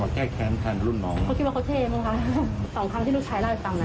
ได้ไหมลูกชาย